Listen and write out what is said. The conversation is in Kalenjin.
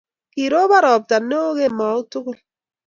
Kiroban robta neoo kemout tugul